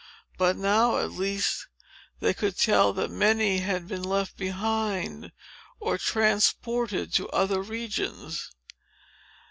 But, now, at least, they could tell that many had been left behind, or transported to other regions.